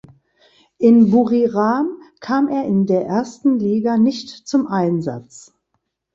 In Buriram kam er in der ersten Liga nicht zum Einsatz.